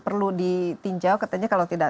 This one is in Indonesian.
perlu ditinjau katanya kalau tidak